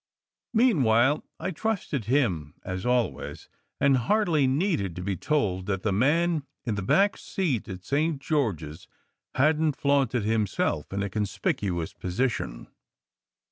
Meanwhile, I trusted him as always, and hardly needed to be told that the man in the back seat at St. George s hadn t flaunted himself in a conspicuous position.